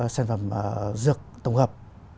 sản phẩm dược tổng hợp